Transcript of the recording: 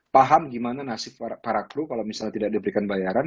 paham gimana nasib para kru kalau misalnya tidak diberikan bayaran